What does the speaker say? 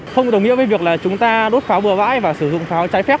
không đồng nghĩa với việc là chúng ta đốt pháo bừa bãi và sử dụng pháo trái phép